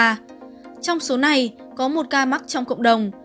trong số này có một ca mắc trong cộng đồng